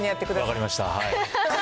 分かりました、はい。